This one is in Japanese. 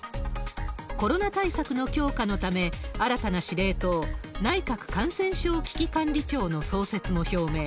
コロナ対策の強化のため、新たな司令塔、内閣感染症危機管理庁の創設も表明。